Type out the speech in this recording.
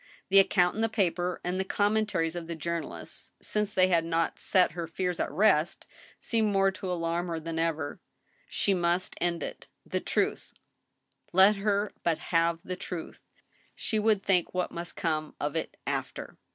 The account in the paper and the commentaries of the journalist, since they had not set her fears at rest, seemed more to alarm her than ever. She must end it. The truth— let her but have the truth ! She would think what must come of it after.